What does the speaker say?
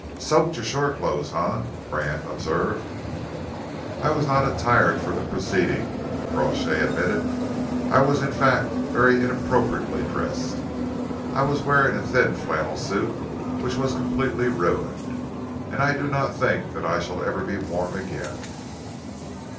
"Soaked your shore clothes, eh?" Brand observed. "I was not attired for the proceeding," Crawshay admitted. "I was, in fact, very inappropriately dressed. I was wearing a thin flannel suit, which was completely ruined, and I do not think that I shall ever be warm again."